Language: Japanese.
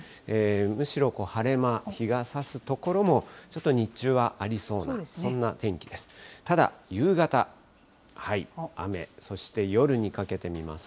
むしろ晴れ間、日がさす所もちょっと日中はありそうな、そんな天気です。